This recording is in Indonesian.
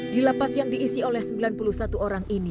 di lapas yang diisi oleh sembilan puluh satu orang ini